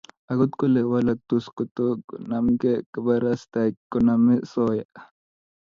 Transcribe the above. akot kole walaktos kotokonamei kaparastaik konamei osoya